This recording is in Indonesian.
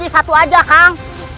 satu aja kang